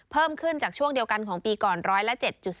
เพิ่มขึ้นจากช่วงเดียวกันของปีก่อนร้อยละ๗๒